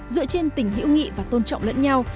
dựa trên tình hữu nghị và tôn trọng lẫn nhau